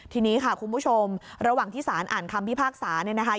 ทีนี้ค่ะคุณผู้ชมระหว่างที่สารอ่านคำพิพากษาเนี่ยนะคะ